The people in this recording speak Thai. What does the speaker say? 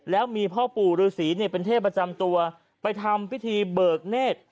แล้วมีพ่อปู่ฤษีเนี่ยเป็นเทพประจำตัวไปทำพิธีเบิกเนธ